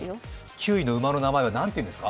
９位の馬の名前は何というんですか？